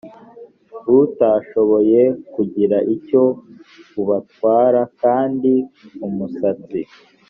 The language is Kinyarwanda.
utashoboye kugira icyo ubatwara kandi umusatsi